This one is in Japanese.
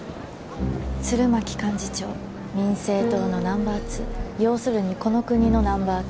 鶴巻幹事長民政党のナンバー２要するにこの国のナンバー２。